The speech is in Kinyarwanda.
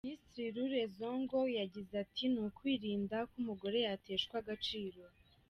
Minisitiri Laure Zongo yagize ati “…ni ukwirinda ko umugore yateshwa agaciro.